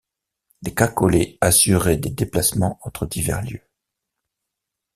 Des cacolets assuraient des déplacements entre divers lieux.